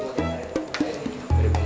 gue mau ke tidur